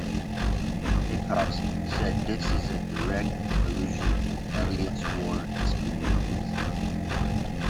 Hickox said this is a direct allusion to Elliott's war experiences.